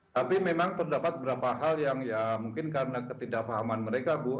tapi memang terdapat beberapa hal yang ya mungkin karena ketidakpahaman mereka bu